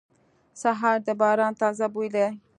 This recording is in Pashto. سهار د باران تازه بوی دی.